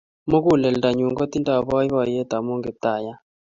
Muguleldo nyun kotindo boiboiyet ame Kiptaiyat